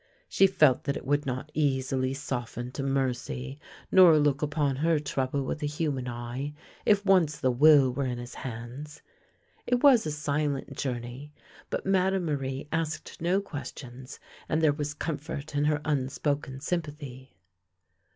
She felt that it would not easily soften to mercy nor look upon her trouble with a human eye, if once the will were in his hands. It was a silent journey, but Madame Marie asked no questions, and there was comfort in her unspoken sympathy.